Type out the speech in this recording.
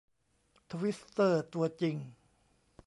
ทวิสเตอร์ ตัวจริง